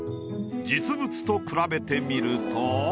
実物と比べてみると。